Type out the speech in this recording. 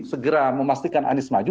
segera memastikan anis maju